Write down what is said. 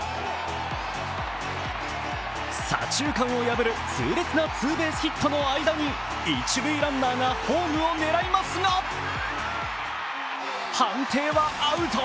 左中間を破る痛烈なツーベースヒットの間に一塁ランナーがホームを狙いますが判定はアウト。